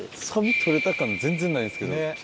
錆取れた感全然ないんですけど。